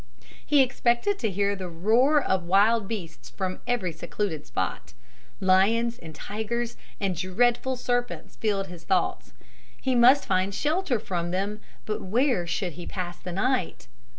He expected to hear the roar of wild beasts from every secluded spot. Lions and tigers and dreadful serpents filled his thoughts. He must find shelter from them. But where should he pass the night?